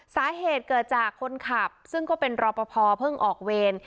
สาเหตุเกิดจากคนขับซึ่งก็เป็นรอปภเพิ่งออกเวร